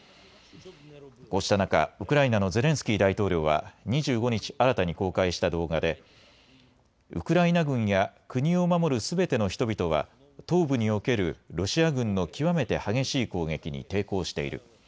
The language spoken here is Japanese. こうした中、ウクライナのゼレンスキー大統領は２５日新たに公開した動画でウクライナ軍や国を守るすべての人々は東部におけるロシア軍の極めて激しい攻撃に抵抗している。